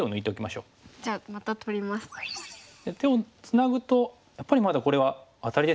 ツナぐとやっぱりまだこれはアタリですよね。